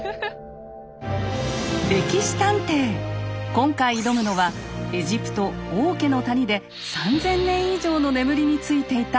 今回挑むのはエジプト「王家の谷」で３，０００年以上の眠りについていた